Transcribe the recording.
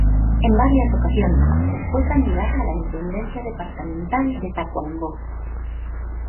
En varias ocasiones fue candidata a la Intendencia Departamental de Tacuarembó.